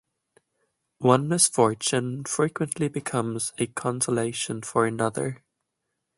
One misfortune frequently becomes a consolation for another.